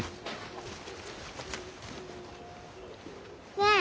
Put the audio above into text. ねえ。